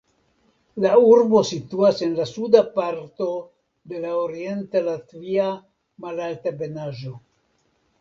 La urbo situas en la suda parto de la Orienta Latvia malaltebenaĵo.